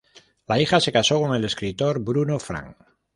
La hija se casó con el escritor Bruno Frank.